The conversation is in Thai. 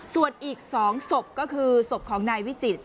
ส่วนอีก๒ศพก็คือศพของนายวิจิตร